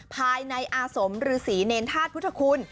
ภายในอาสมฤษีเนรธาตุพุทธคุณ